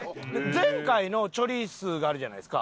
前回のチョリスがあるじゃないですか。